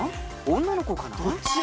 女の子かな？